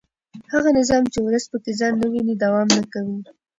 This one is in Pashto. هغه نظام چې ولس پکې ځان نه ویني دوام نه کوي